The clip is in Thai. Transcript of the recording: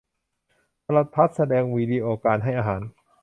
โทรทัศน์แสดงวิดีโอการให้อาหาร